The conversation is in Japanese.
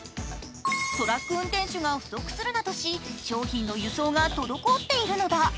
トラック運転手が不足するなどし、商品の輸送が滞っているのだ。